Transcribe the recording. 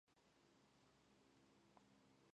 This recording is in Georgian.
დაიბადა ქალაქ ასმერაში, მიეკუთვნება ტიგრაის ეთნიკურ ჯგუფს.